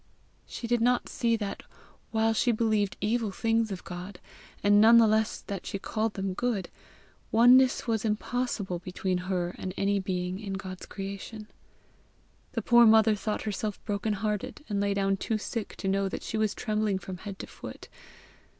She did not see that, while she believed evil things of God, and none the less that she called them good, oneness was impossible between her and any being in God's creation. The poor mother thought herself broken hearted, and lay down too sick to know that she was trembling from head to foot.